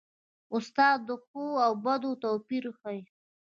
استاد د ښو او بدو توپیر ښيي.